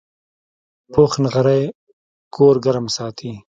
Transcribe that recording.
پوخ نغری کور ګرم ساتي